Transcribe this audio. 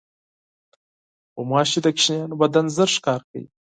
غوماشې د ماشومانو بدن ژر ښکار کوي.